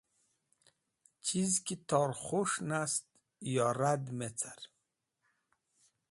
Chizi ki tor k̃hus̃h nast yo rad me car.